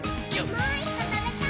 もう１こ、たべたい！